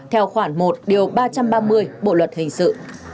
theo khoảng một ba trăm ba mươi bộ luật hình sự